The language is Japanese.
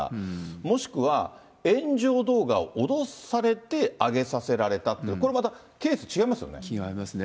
もしくは、炎上動画を脅されて上げさせられたって、これまた、ケース違いま違いますね。